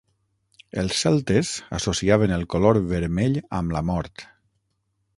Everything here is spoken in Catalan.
Els celtes associaven el color vermell amb la mort.